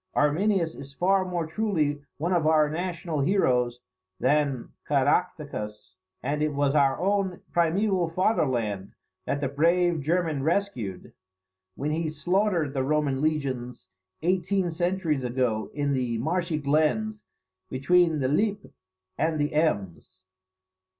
Arminius is far more truly one of our national heroes than Caractacus: and it was our own primeval fatherland that the brave German rescued, when he slaughtered the Roman legions eighteen centuries ago in the marshy glens between the Lippe and the Ems.